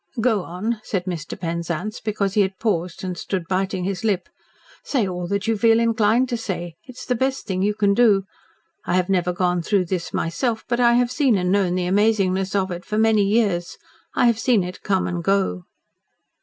"Go on," said Mr. Penzance, because he had paused and stood biting his lip. "Say all that you feel inclined to say. It is the best thing you can do. I have never gone through this myself, but I have seen and known the amazingness of it for many years. I have seen it come and go."